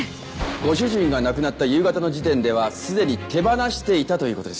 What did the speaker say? ご主人が亡くなった夕方の時点ではすでに手放していたという事です。